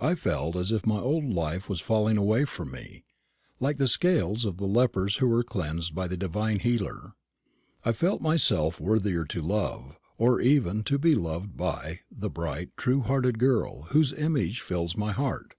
I felt as if my old life was falling away from me like the scales of the lepers who were cleansed by the Divine Healer. I felt myself worthier to love, or even to be loved by, the bright true hearted girl whose image fills my heart.